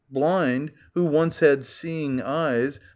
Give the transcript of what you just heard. Blind, who once had seeing eyes.